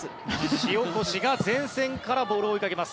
塩越が前線からボールを追いかけます。